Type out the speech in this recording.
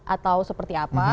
atau seperti apa